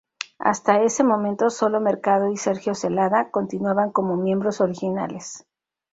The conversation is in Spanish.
Hasta ese momento sólo Mercado y Sergio Celada continuaban como miembros originales.